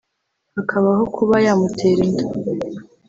hakabaho kuba yamutera inda